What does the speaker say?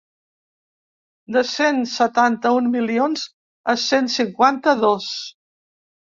De cent setanta-un milions a cent cinquanta-dos.